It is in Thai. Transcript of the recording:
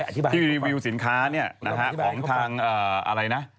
ที่รีวิวสินค้าเนี่ยนะฮะของทางอะไรนะ